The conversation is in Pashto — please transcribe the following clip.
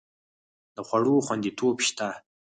د خوړو خوندیتوب شته؟